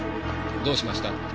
どうしました？